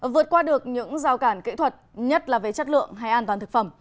vượt qua được những giao cản kỹ thuật nhất là về chất lượng hay an toàn thực phẩm